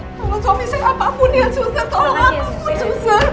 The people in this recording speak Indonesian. tolong suami saya apapun ya suser